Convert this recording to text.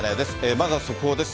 まずは速報です。